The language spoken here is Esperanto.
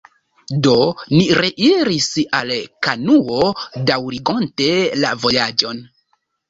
Do, ni reiris al la kanuo, daŭrigonte la vojaĝon.